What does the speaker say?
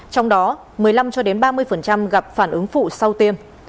trong đó một mươi năm ba mươi gặp phản ứng phụ sau tiêm